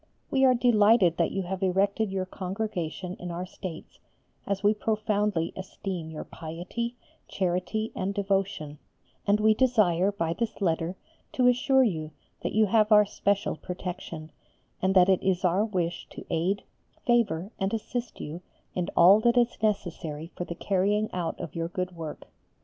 We are delighted that you have erected your Congregation in our States, as we profoundly esteem your piety, charity, and devotion, and we desire by this letter to assure you that you have our special protection, and that it is our wish to aid, favour, and assist you in all that is necessary for the carrying out of your good work.